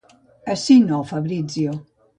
Ací no, Fabrizio.